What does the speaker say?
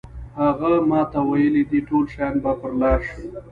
هغه ماته ویلي دي ټول شیان به پر لار شي.